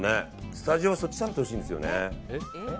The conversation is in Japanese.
スタジオはそっち食べてほしいんですよね。